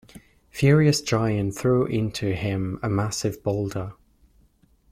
Furious giant threw into him a massive boulder.